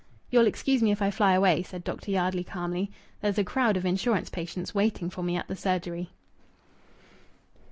"You'll excuse me if I fly away," said Dr. Yardley calmly. "There's a crowd of insurance patients waiting for me at the surgery."